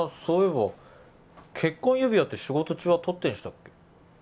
そういえば結婚指輪って仕事中は取ってんでしたっけ？